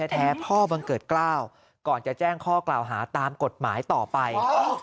แท้พ่อบังเกิดกล้าวก่อนจะแจ้งข้อกล่าวหาตามกฎหมายต่อไป